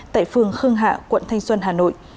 tại phường khương hạ quận thanh xuân hà nội